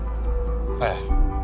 ええ。